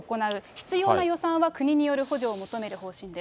必要な予算は国による補助を求める方針です。